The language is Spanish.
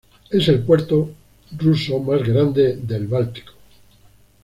Es el puerto ruso más grande en el Báltico.